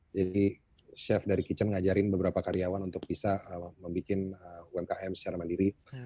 jadi chef dari kitchen mengajarkan beberapa karyawan untuk bisa membuat umkm secara mandiri